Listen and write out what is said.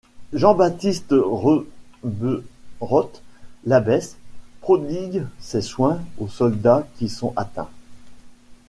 Jean-Baptiste Reberotte-Labesse prodigue ses soins aux soldats qui sont atteints.